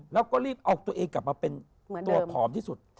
แล้วก็รีบเอาตัวเองกลับมาเป็นตัวผอมที่สุด